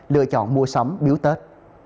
lựa chọn mua sắm biếu tết